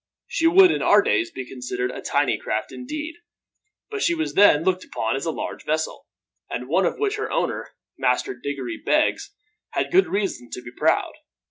She would in our days be considered a tiny craft indeed, but she was then looked upon as a large vessel, and one of which her owner, Master Diggory Beggs, had good reason to be proud.